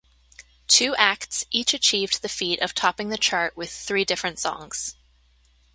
Two acts each achieved the feat of topping the chart with three different songs.